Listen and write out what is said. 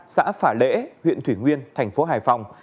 xã phả lễ huyện thủy nguyên thành phố hải phòng